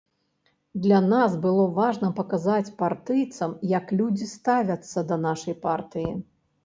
Для нас было важна паказаць партыйцам, як людзі ставяцца да нашай партыі.